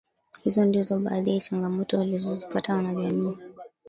hizo ndizo baadhi ya changamoto walizozipata wanajamii